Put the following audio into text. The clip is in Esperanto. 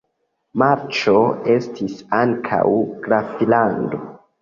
Marĉo estis ankaŭ graflando.